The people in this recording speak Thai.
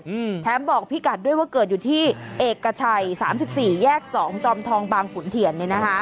อืมแถมบอกพี่กัดด้วยว่าเกิดอยู่ที่เอกกระชัย๓๔แยก๒จอมทองบางขุนเถียนเนี้ยนะคะ